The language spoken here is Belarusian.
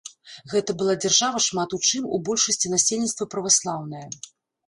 Гэта была дзяржава шмат у чым, у большасці насельніцтва праваслаўная.